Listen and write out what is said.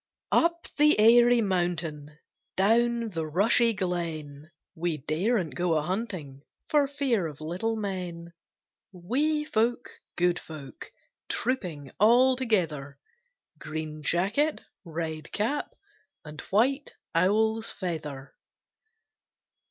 UP the airy mountain, Down the rushy glen, We daren't go a hunting For fear of little men; Wee folk, good folk, Trooping all together; Green jacket, red cap, And white owl's feather!